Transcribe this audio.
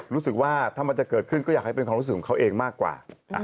รู้สึกว่าถ้ามันจะเกิดขึ้นก็อยากให้เป็นความรู้สึกของเขาเองมากกว่า